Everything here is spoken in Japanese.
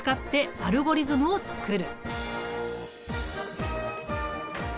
アルゴリズムを作る。